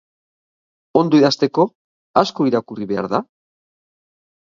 Ondo idazteko, asko irakurri behar da?